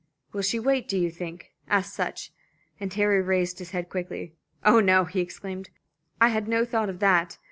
"Will she wait, do you think?" asked Sutch; and Harry raised his head quickly. "Oh, no," he exclaimed, "I had no thought of that.